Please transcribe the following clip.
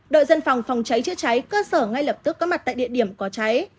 đội dân phòng phòng cháy chữa cháy cơ sở ngay lập tức có mặt tại địa điểm có cháy